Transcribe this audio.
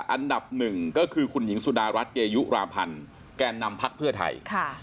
อันดับหนึ่งก็คือคุณหญิงสุดารัฐเกยุราพันธ์แก่นำพักเพื่อไทย